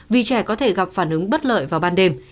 vì trẻ có thể gặp phản ứng bất lợi vào ban đêm